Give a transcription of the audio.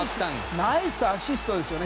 ナイスアシストですよね。